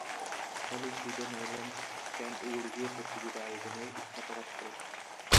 Italy, Sweden, Netherlands, Spain ও Uruguay প্রতিযোগিতা আয়োজনের ইচ্ছা প্রকাশ করে।